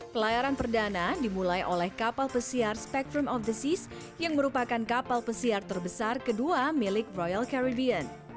pelayaran perdana dimulai oleh kapal pesiar spektrum of the seas yang merupakan kapal pesiar terbesar kedua milik royal carribean